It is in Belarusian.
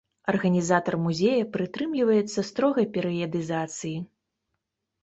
Арганізатар музея прытрымліваецца строгай перыядызацыі.